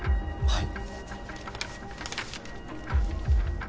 はい。